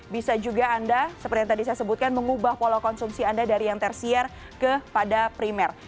bisa juga anda seperti yang tadi saya sebutkan mengubah pola konsumsi anda dari yang tersier kepada primer